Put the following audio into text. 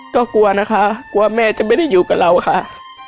ก็กลัวนะคะกลัวแม่จะไม่ได้อยู่กับเราค่ะ